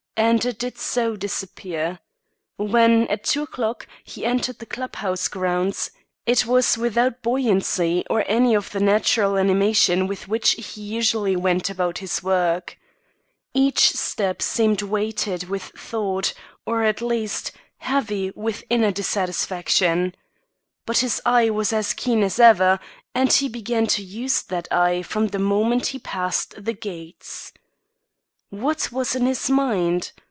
And it did so disappear. When, at two o'clock, he entered the club house grounds, it was without buoyancy or any of the natural animation with which he usually went about his work. Each step seemed weighted with thought, or, at least, heavy with inner dissatisfaction. But his eye was as keen as ever, and he began to use that eye from the moment he passed the gates. What was in his mind?